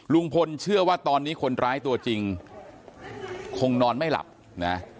ลุงพลเชื่อว่าตอนนี้คนร้ายตัวจริงคงนอนไม่หลับนะ